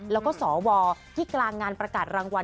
แล้วก็สวที่กลางงานประกาศรางวัล